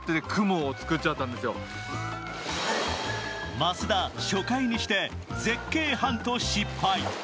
増田、初回にして絶景ハント失敗。